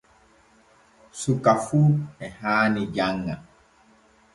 Suka fu e haani janŋa.